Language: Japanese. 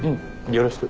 よろしく。